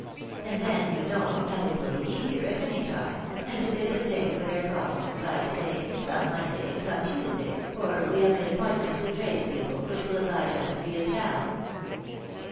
And then, you know, nothing will be easier, at any time, than to fix a day for their caULng, by saying, come Monday, come Tuesday, for we have made appointments with tradespeople, which will obhge ua to be in town."